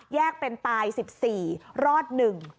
แยกเป็นปลายสิบสี่รอดหนึ่ง